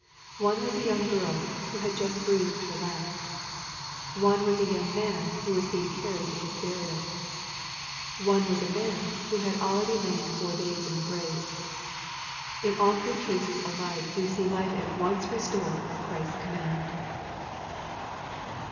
One was a young girl, who had just breathed her last. One was a young man, who was being carried to his burial. One was a man, who had already lain four days in the grave. In all three cases alike we see life at once restored at Christ's command.